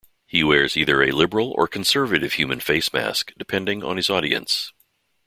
He wears either a "liberal" or "conservative" human face mask, depending on his audience.